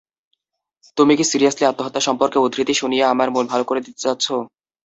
তুমি কি সিরিয়াসলি আত্মহত্যা সম্পর্কিত উদ্ধৃতি শুনিয়ে আমার মন ভালো করে দিতে চাচ্ছ?